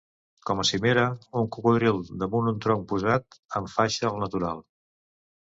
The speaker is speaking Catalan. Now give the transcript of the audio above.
Com a cimera, un cocodril damunt un tronc posat en faixa al natural.